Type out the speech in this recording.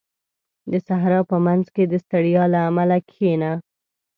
• د صحرا په منځ کې د ستړیا له امله کښېنه.